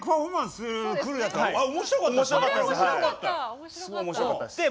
すごい面白かったです。